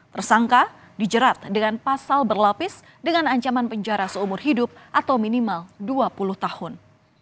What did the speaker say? tersangka dijerat dengan pasal berlapis dengan ancaman penjara seumur hidup atau minimal dua puluh tahun